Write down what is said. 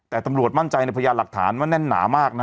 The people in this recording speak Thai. แต่ตำรวจมั่นใจในพยานหลักฐานว่าแน่นหนามากนะฮะ